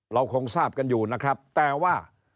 เราคงทราบกันอยู่นะครับแต่ว่า